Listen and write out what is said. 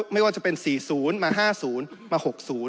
ไม่ว่าจะเป็น๔๐มา๕๐มา๖๐